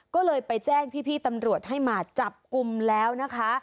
ก็เลยไปแจ้งพี่ตำรวจให้มาจับกลุ่มแล้วนะคะ